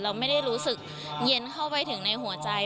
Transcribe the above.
เราไม่ได้รู้สึกเย็นเข้าไปถึงในหัวใจ